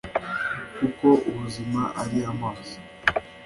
kuko ubuzima ari amazi.